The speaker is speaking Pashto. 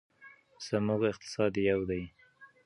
زموږ اقتصاد یو دی.